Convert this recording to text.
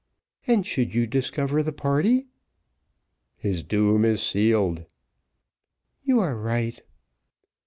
"And should you discover the party?" "His doom is sealed." "You are right."